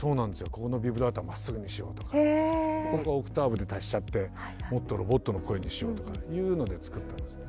「ここのビブラートはまっすぐにしよう」とか「ここはオクターブで足しちゃってもっとロボットの声にしよう」とかっていうので作ったんですね。